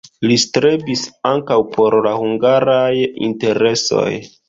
Li strebis ankaŭ por la hungaraj interesoj.